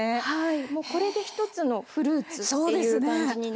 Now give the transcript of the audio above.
もうこれで一つのフルーツっていう感じになります。